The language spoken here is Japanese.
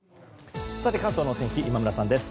関東の天気今村さんです。